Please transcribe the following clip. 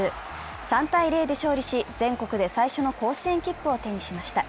３−０で勝利し、全国で最初の甲子園切符を手にしました。